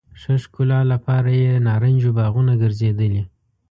ښه ښکلا لپاره یې نارنجو باغونه ګرځېدلي.